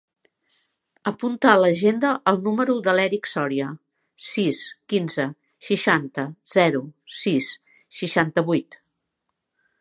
Apunta a l'agenda el número de l'Èric Soria: sis, quinze, seixanta, zero, sis, seixanta-vuit.